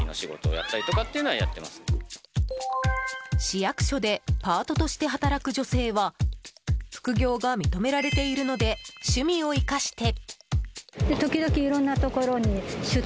市役所でパートとして働く女性は副業が認められているので趣味を生かして。